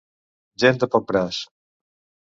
Gent de poc braç.